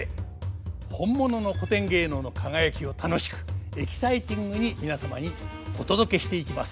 本物の古典芸能の輝きを楽しくエキサイティングに皆様にお届けしていきます。